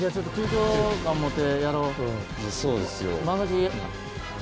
そうですよ。